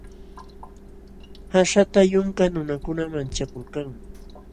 Qasata yunka nunakuna manchakulkanmi.